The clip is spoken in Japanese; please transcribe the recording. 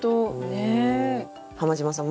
浜島さん